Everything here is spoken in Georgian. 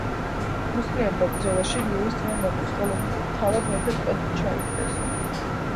მუსლიმებმა ბრძოლაში ლუის ძმა მოკლეს, ხოლო თავად მეფე ტყვედ ჩაიგდეს.